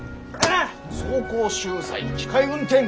走行集材機械運転！